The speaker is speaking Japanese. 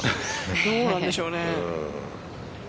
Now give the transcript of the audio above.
どうなんでしょうね。